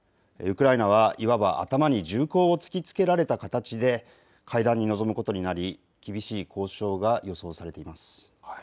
ウクライナはいわば頭に銃口を突きつけられた形で会談に臨むことになり厳しい交渉が予想されています。